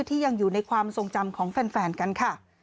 ที่ยังอยู่ในความทรงจำของแฟนกันค่ะ